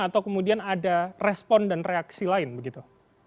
atau kemudian ada respon dan reaksi lain begitu